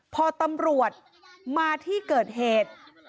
พอตำรวจมาที่เกิดเหตุ